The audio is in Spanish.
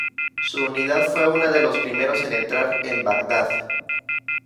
Su unidad fue una de los primeros en entrar en Bagdad.